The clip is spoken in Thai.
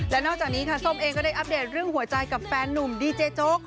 และนอกจากนี้ค่ะส้มเองก็ได้อัปเดตเรื่องหัวใจกับแฟนนุ่มดีเจโจ๊ก